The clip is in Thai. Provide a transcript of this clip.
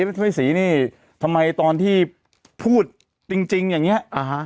พี่ศรีนี่ทำไมตอนที่พูดจริงจริงอย่างเงี้ยอ่าฮะ